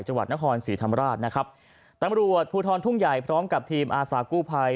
จังหวัดนครศรีธรรมราชนะครับตำรวจภูทรทุ่งใหญ่พร้อมกับทีมอาสากู้ภัย